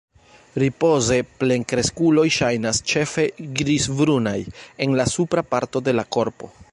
Ripoze plenkreskuloj ŝajnas ĉefe grizbrunaj en la supra parto de la korpo.